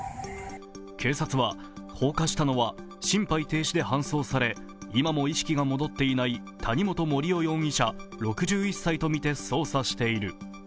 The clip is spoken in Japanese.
警察は放火したのは、心肺停止で搬送され、今も意識が戻っていない谷本盛雄容疑者６１歳とみて捜査している。